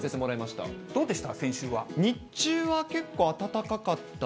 どうでした？